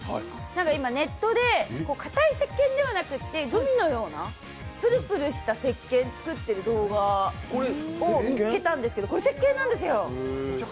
今、ネットで固いせっけんではなくてグミのようなプルプルしたせっけんを作っている動画を見つけたんですけどこれ、せっけんなんですよ。